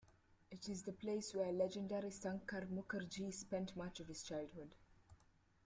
It is the place where legendary Sankar Mukherjee spent much of his childhood.